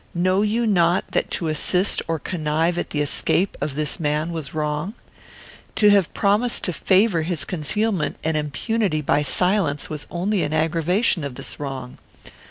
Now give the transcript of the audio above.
Know you not that to assist or connive at the escape of this man was wrong? To have promised to favour his concealment and impunity by silence was only an aggravation of this wrong.